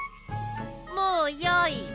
もうよい。